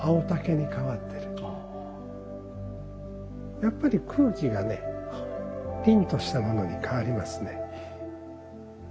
やっぱり空気がね凛としたものに変わりますね。